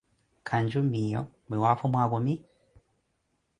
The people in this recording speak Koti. Kanju meeyo, mwiwaapho mwaakumi?